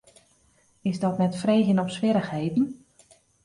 Is dat net freegjen om swierrichheden?